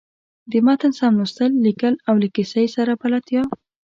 د متن سم لوستل، ليکل او له کیسۍ سره بلدتیا.